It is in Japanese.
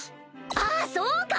あっそうか！